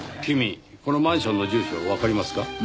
君このマンションの住所わかりますか？